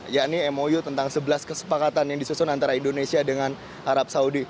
yakni mou tentang sebelas kesepakatan yang disusun antara indonesia dengan arab saudi